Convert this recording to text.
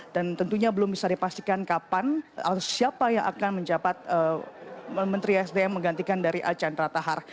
dan tentunya belum bisa dipastikan kapan atau siapa yang akan menjabat menteri isdm menggantikan dari archandra thakar